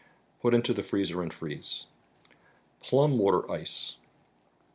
Put into the freezer and freeze. iaium mattv %e.